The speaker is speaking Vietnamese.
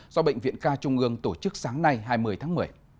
do bệnh viện ca trung ương tổ chức sáng nay hai mươi tháng một mươi